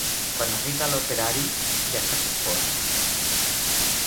Quan arriba l'operari ja s'ha fet fosc.